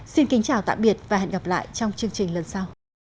xin kính chào tạm biệt và hẹn gặp lại trong chương trình lần sau